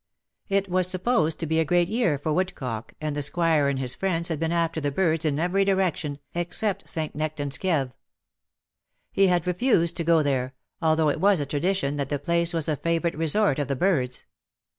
It was supposed to be a great year for woodcock, and the Squire and his friends had been after the birds in every direction, except St. Nectan^s Kieve. He had refused to go there, although it was a tradition that the place was a favourite resort of the birds.